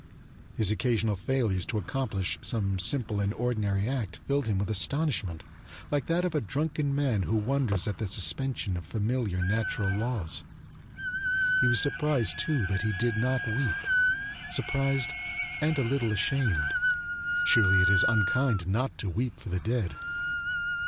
His occasional failures to accomplish some simple and ordinary act filled him with astonishment, like that of a drunken man who wonders at the suspension of familiar natural laws. He was surprised, too, that he did not weep surprised and a little ashamed; surely it is unkind not to weep for the dead.